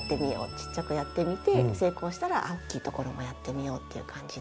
ちっちゃくやってみて成功したら大きいところもやってみようっていう感じで。